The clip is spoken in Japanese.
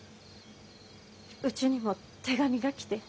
うちにも手紙が来て。